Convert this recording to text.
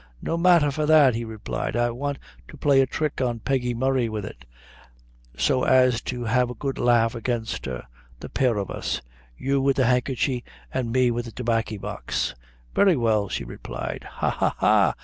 "No matther for that," he replied; "I want to play a thrick on Peggy Murray wid it, so as to have a good laugh against her the pair of us you wid the handkerchy, and me wid the tobaccy box." "Very well," she replied. "Ha! ha!